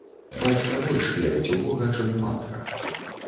Бацька больш верыць у бога, чым матка.